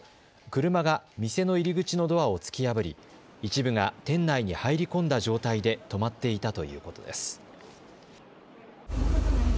車が店の入り口のドアを突き破り、一部が店内に入り込んだ状態で止まっていたということです。